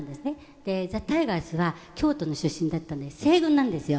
でザ・タイガースは京都の出身だったんで西軍なんですよ。